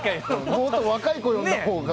もっと若い子呼んだ方が。